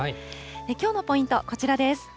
きょうのポイント、こちらです。